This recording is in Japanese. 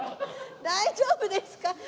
大丈夫ですか？